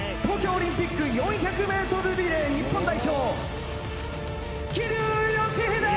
東京オリンピック４００ｍリレー日本代表桐生祥秀。